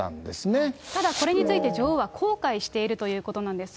ただこれについて、女王は後悔しているということなんです。